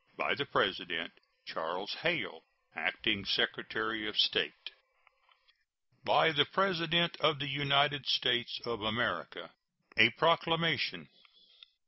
By the President: CHARLES HALE, Acting Secretary of State. BY THE PRESIDENT OF THE UNITED STATES OF AMERICA. A PROCLAMATION.